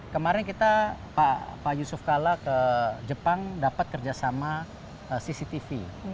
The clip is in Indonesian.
kemarin kita pak yusuf kalla ke jepang dapat kerjasama cctv